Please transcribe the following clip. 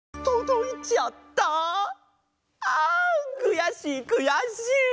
あんくやしいくやしい！